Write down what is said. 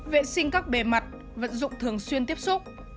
vệ sinh các bề mặt vận dụng thường xuyên tiếp xúc